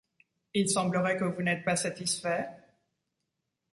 Il semblerait que vous nʼêtes pas satisfait ?